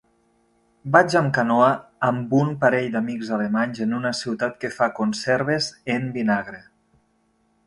Vaig amb canoa amb un parell d'amics alemanys en una ciutat que fa conserves en vinagre.